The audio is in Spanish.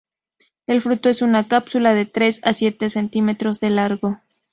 El fruto es una cápsula de tres a siete centímetros de largo.